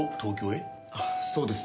そうです。